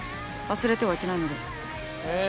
忘れてはいけないのでへえ